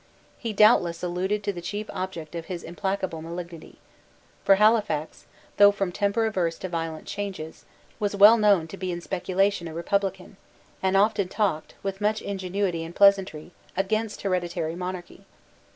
He doubtless alluded to the chief object of his implacable malignity. For Halifax, though from temper averse to violent changes, was well known to be in speculation a republican, and often talked, with much ingenuity and pleasantry, against hereditary monarchy.